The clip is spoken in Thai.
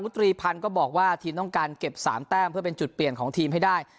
ตรีพันธ์ก็บอกว่าทีมต้องการเก็บ๓แต้มเพื่อเป็นจุดเปลี่ยนของทีมให้ได้